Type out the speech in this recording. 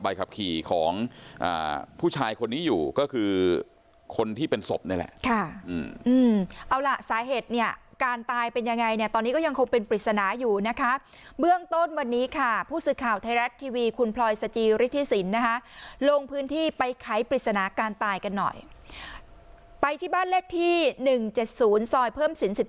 ไปที่บ้านเลขที่หนึ่งเจ็ดศูนย์ซอยเพิ่มศีลสิบสาม